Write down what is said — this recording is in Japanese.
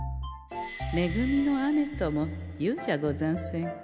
めぐみの雨ともいうじゃござんせんか。